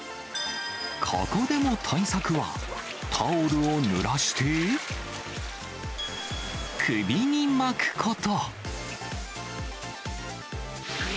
ここでも対策は、タオルをぬらして、首に巻くこと。